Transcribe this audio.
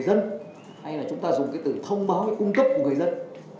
dân hay là chúng ta dùng cái từ thông báo cung cấp của người dân